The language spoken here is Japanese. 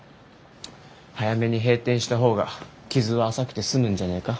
早めに閉店した方が傷は浅くて済むんじゃねえか？